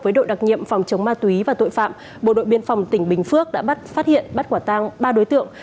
với đội đặc nhiệm phòng chống ma túy và tội phạm bộ đội biên phòng tỉnh bình phước đã bắt phát hiện bắt quả tang ba đối tượng